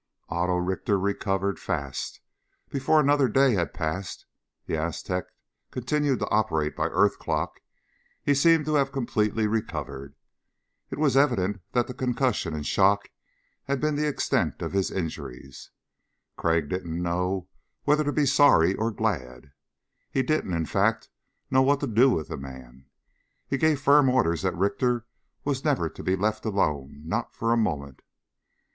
Otto Richter recovered fast. Before another day had passed the Aztec continued to operate by earth clock he seemed to have completely recovered. It was evident that concussion and shock had been the extent of his injuries. Crag didn't know whether to be sorry or glad, he didn't, in fact, know what to do with the man. He gave firm orders that Richter was never to be left alone not for a moment.